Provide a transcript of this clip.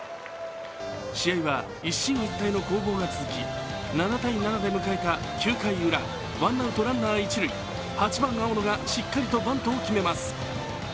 試合は一進一退の攻防が続き、７−７で迎えた９回ウラ、ワンアウト・ランナー一塁８番の青野がしっかりとバントを決めます。